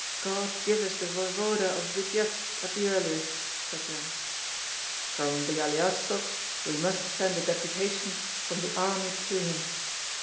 God give us the voevoda of Vityebsk at the earliest," said Yan. "From Byalystok we must send a deputation from the army to him.